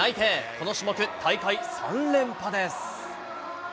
この種目、大会３連覇です。